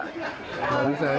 tidak bisa ya